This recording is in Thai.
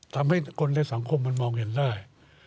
ทำให้คนในสังคมมันมองเห็นได้